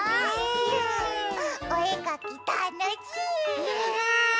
おえかきたのしい！ね！ね！